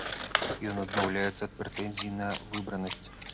Ён адмаўляецца ад прэтэнзій на выбранасць.